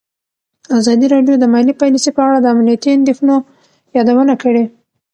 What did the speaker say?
ازادي راډیو د مالي پالیسي په اړه د امنیتي اندېښنو یادونه کړې.